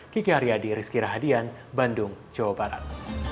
kiki haryadi rizky rahadian bandung jawa barat